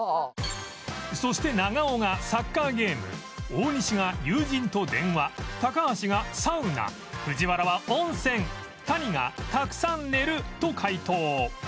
そして長尾がサッカーゲーム大西が友人と電話高橋がサウナ藤原は温泉谷がたくさん寝ると解答